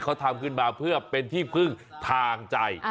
เขาทำขึ้นมาเพื่อเป็นที่พึ่งทางใจ